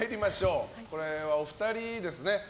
これはお二人ですね。